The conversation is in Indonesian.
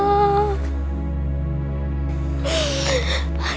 pasti harus menemukan nina